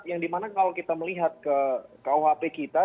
yang dimana kalau kita melihat ke kuhp kita